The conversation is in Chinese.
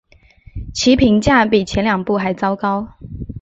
其评价比前两部还糟糕。